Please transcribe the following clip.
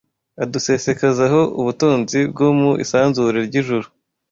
Adusesekazaho ubutunzi bwo mu isanzure ry’ijuru